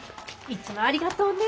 いつもありがとうね。